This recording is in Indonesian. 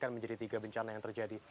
kan menjadi tiga bencana yang terjadi